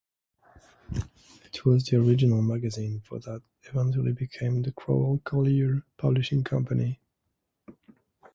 It was the original magazine for what eventually became the Crowell-Collier Publishing Company.